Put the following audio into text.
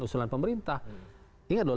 usulan pemerintah ingat lho